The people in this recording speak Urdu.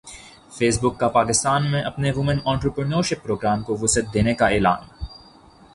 فیس بک کا پاکستان میں اپنے وومن انٹرپرینیورشپ پروگرام کو وسعت دینے کا اعلان